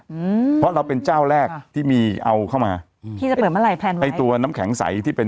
อืมเพราะเราเป็นเจ้าแรกที่มีเอาเข้ามาอืมพี่จะเปิดเมื่อไหร่แพลนมาไอ้ตัวน้ำแข็งใสที่เป็น